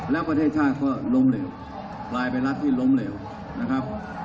แล้วประเทศชาติก็ล้มเหลวกลายเป็นรัฐที่ล้มเหลวนะครับ